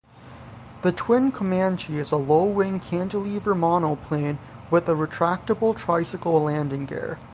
The Twin Comanche is a low-wing cantilever monoplane with a retractable tricycle landing gear.